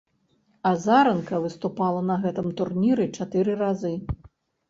Азаранка выступала на гэтым турніры чатыры разы.